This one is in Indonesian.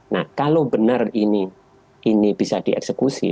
nah kalau benar ini bisa dieksekusi